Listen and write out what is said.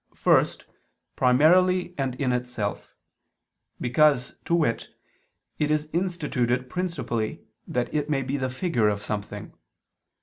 First, primarily and in itself: because, to wit, it is instituted principally that it may be the figure of something.